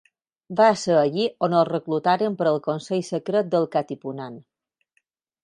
Va ser allí on el reclutaren per al consell secret del Katipunan.